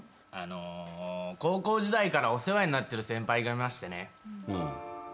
あの高校時代からお世話になってる先輩がいましてね。